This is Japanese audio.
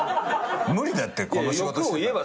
無理だってこの仕事してたら。